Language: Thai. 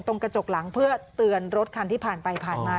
กระจกหลังเพื่อเตือนรถคันที่ผ่านไปผ่านมา